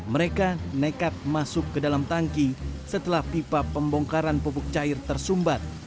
mereka nekat masuk ke dalam tangki setelah pipa pembongkaran pupuk cair tersumbat